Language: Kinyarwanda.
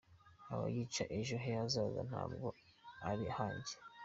Aba yica ejo he hazaza ntabwo ari ahanjye.